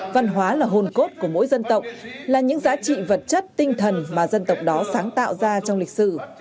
văn hóa là hồn cốt của mỗi dân tộc là những giá trị vật chất tinh thần mà dân tộc đó sáng tạo ra trong lịch sử